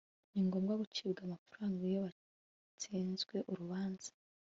ni ngombwa gucibwa amagarama iyo batsinzwe urubanza